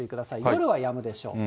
夜はやむでしょう。